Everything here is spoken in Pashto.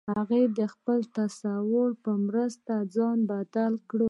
هغه د خپل تصور په مرسته ځان بدل کړ